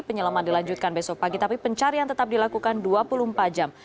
penyelaman dilanjutkan besok pagi tapi pencarian tetap dilakukan dua puluh empat jam